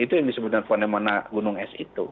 itu yang disebutkan fonemen gunung es itu